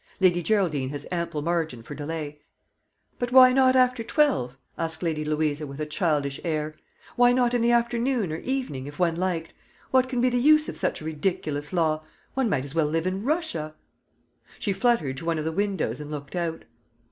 "Lady Geraldine has ample margin for delay." "But why not after twelve?" asked Lady Louisa with a childish air; "why not in the afternoon or evening, if one liked? What can be the use of such a ridiculous law? One might as well live in Russia." She fluttered to one of the windows and looked out.